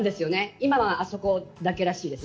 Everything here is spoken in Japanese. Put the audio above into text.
今はあそこだけらしいです。